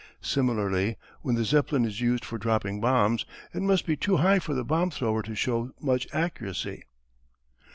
Similarly, when the Zeppelin is used for dropping bombs, it must be too high for the bomb thrower to show much accuracy."